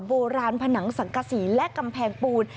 โบราณผนังสังกษีและกำแพงปูน